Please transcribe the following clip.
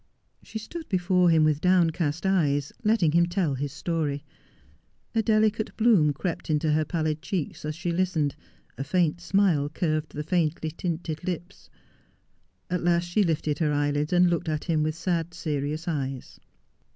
She stood before him with downcast eyes, letting him tell his story. A delicate bloom crept into her pallid cheeks as she listened — a faint smile curved the faintly tinted lips. At last she lifted her eyelids and looked at him with sad, serious eyes.